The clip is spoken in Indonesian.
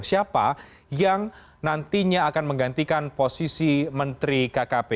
siapa yang nantinya akan menggantikan posisi menteri kkp